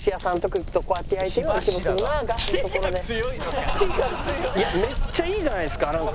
いやめっちゃいいじゃないですかなんか。